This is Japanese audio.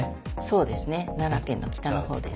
そうですね奈良県の北の方です。